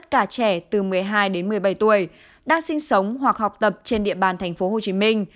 cả trẻ từ một mươi hai đến một mươi bảy tuổi đang sinh sống hoặc học tập trên địa bàn thành phố hồ chí minh